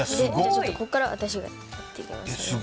ここからは私がやっていきます。